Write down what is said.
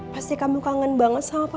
pasti kamu kangen banget sama papa